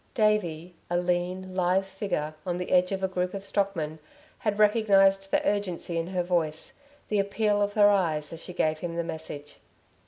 Davey, a lean, lithe figure, on the edge of a group of stockmen, had recognised the urgency in her voice, the appeal of her eyes, as she gave him the message.